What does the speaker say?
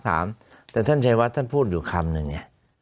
แต่ท่านชัยวัดท่านพูดอยู่คำหนึ่งไง